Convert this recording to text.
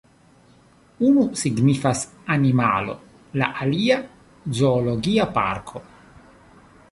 Unu signifas ”animalo”, la alia ”zoologia parko”.